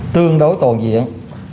tương đối tồn diện